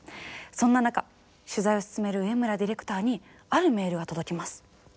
そんな中取材を進める植村ディレクターにあるメールが届きます。